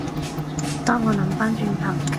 當我諗返轉頭